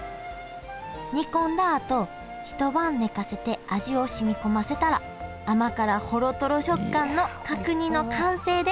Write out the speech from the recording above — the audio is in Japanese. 煮込んだあと一晩寝かせて味をしみ込ませたら甘辛ほろトロ食感の角煮の完成です